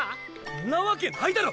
⁉んなわけないだろ！